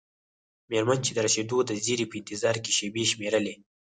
میرمن چې د رسیدو د زیري په انتظار کې شیبې شمیرلې.